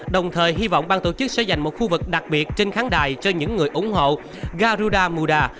đồng thời hy vọng ban tổ chức sẽ dành một khu vực đặc biệt trên khán đài cho những người ủng hộ garuda muda